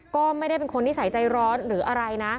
ก็ไม่ได้เป็นคนนิสัยใจร้อนหรืออะไรนะ